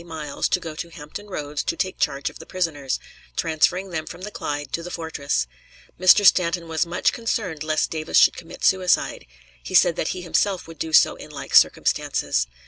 Miles to go to Hampton Roads to take charge of the prisoners, transferring them from the Clyde to the fortress. Mr. Stanton was much concerned lest Davis should commit suicide; he said that he himself would do so in like circumstances.